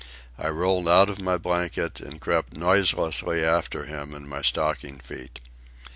I rolled out of my blankets and crept noiselessly after him in my stocking feet.